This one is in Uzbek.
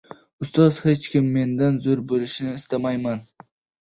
– Ustoz, hech kim mendan zoʻr boʻlishi istamayman.